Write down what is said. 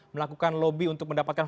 melakukan lobby untuk mendapatkan